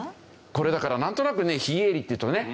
これだからなんとなくね「非営利」っていうとね